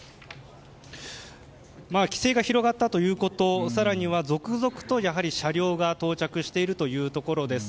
規制が広がったということ更には続々とやはり車両が到着しているというところです。